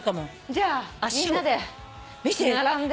じゃあみんなで並んで。